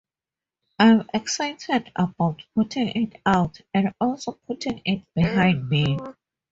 I'm excited about putting it out and also putting it behind me.